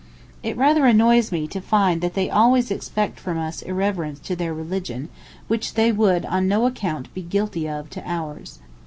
It rather annoys me to find that they always expect from us irreverence to their religion which they would on no account be guilty of to ours.